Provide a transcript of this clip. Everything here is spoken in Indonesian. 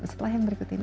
setelah yang berikut ini